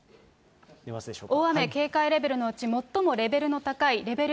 大雨警戒レベルのうち、最もレベルの高いレベル